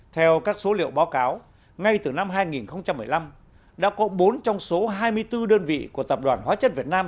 theo các số liệu báo cáo ngay từ năm hai nghìn một mươi năm đã có bốn trong số hai mươi bốn đơn vị của tập đoàn hóa chất việt nam